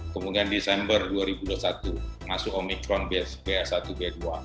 kemudian desember dua ribu dua puluh satu masuk omikron b satu b dua